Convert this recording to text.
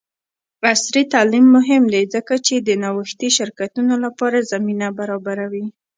عصري تعلیم مهم دی ځکه چې د نوښتي شرکتونو لپاره زمینه برابروي.